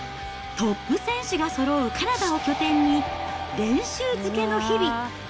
トップ選手がそろうカナダを拠点に、練習漬けの日々。